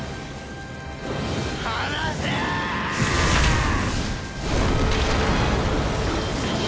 離せーっ！！